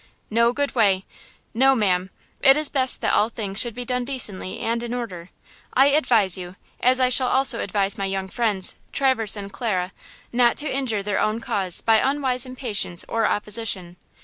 "No good way. No, madam, it is best that all things should be done decently and in order. I advise you, as I shall also advise my young friends, Traverse and Clara, not to injure their own cause by unwise impatience or opposition.